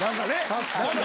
確かに。